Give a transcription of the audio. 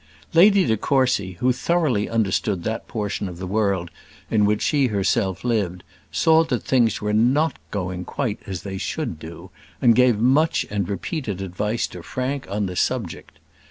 Lady de Courcy, who thoroughly understood that portion of the world in which she herself lived, saw that things were not going quite as they should do, and gave much and repeated advice to Frank on the subject.